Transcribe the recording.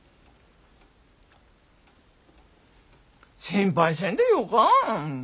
心配せんでよか。